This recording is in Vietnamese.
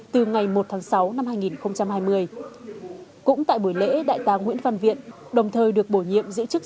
từ ngày một tháng sáu năm hai nghìn hai mươi cũng tại buổi lễ đại tá nguyễn văn viện đồng thời được bổ nhiệm giữ chức